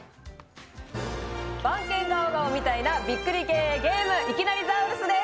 「番犬ガオガオ」みたいなびっくり系ゲーム「いきなり！ザウルス」です。